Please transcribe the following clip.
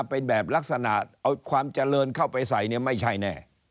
เป็นแบบลักษณะเอาความเจริญเข้าไปใส่เนี่ยไม่ใช่แน่